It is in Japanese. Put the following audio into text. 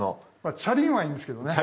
チャリンはいいんですけどね